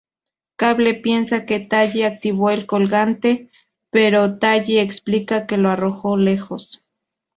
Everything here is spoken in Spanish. Cable piensa que Tally activó el colgante, pero Tally explica que lo arrojó lejos.